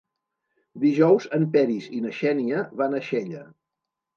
Dijous en Peris i na Xènia van a Xella.